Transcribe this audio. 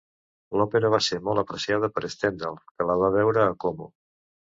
L'òpera va ser molt apreciada per Stendhal, que la va veure a Como.